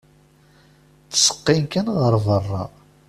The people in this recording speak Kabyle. Ttseqqin kan ɣer berra.